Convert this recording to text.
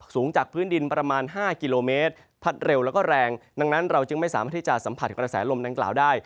สูงจากพื้นดินประมาณ๕กิโลเมตรพัดเร็วแล้วก็แรงดังนั้นเราจึงไม่สามารถที่จะสัมผัสกระแสลมดังกล่าวได้